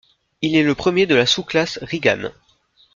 Il est le premier de la sous-classe Reagan.